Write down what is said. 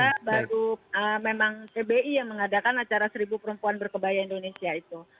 karena baru memang pbi yang mengadakan acara seribu perempuan berkebaya indonesia itu